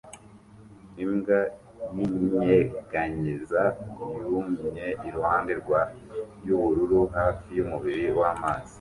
Imbwa yinyeganyeza yumye iruhande rwa yubururu hafi yumubiri wamazi